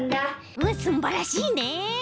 うわすんばらしいね。